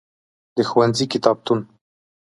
د ښوونځی کتابتون.